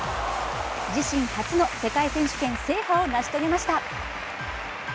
自身初の世界選手権制覇を成し遂げました。